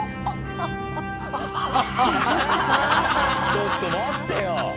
ちょっと待ってよ。